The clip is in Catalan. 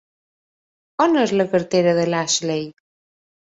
On és la cartera de l'Ashley?